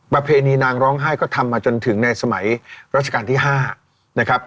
เพณีนางร้องไห้ก็ทำมาจนถึงในสมัยราชการที่๕นะครับ